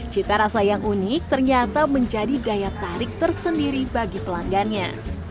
cita rasa yang unik ternyata menjadi daya tarik tersendiri bagi pelanggannya